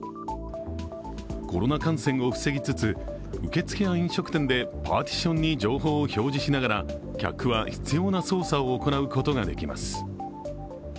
コロナ感染を防ぎつつ、受付や飲食店でパーティションに情報を表示しながら、客は必要な操作を行うことができます。